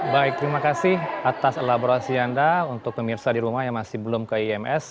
baik terima kasih atas elaborasi anda untuk pemirsa di rumah yang masih belum ke ims